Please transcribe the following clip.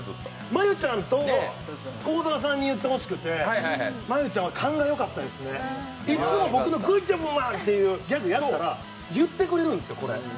真悠ちゃんと幸澤さんに言ってほしくて真悠ちゃんは勘がよかったですね、いっつも僕のグッチョブマンって言ったら言ってくれるんですよ、これ。